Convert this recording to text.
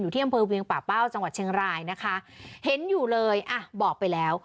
ที่อำเภอเวียงป่าเป้าจังหวัดเชียงรายนะคะเห็นอยู่เลยอ่ะบอกไปแล้ว